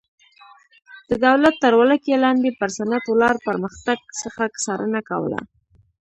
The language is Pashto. د دولت تر ولکې لاندې پر صنعت ولاړ پرمختګ څخه څارنه کوله.